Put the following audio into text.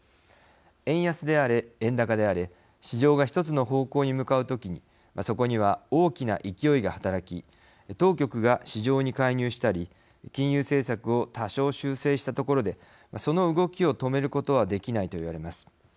円安であれ、円高であれ市場がひとつの方向に向かう時にそこには大きな勢いが働き当局が市場に介入したり金融政策を多少修正したところでその動きを止めることはできないといわれます。